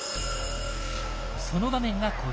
その場面がこちら。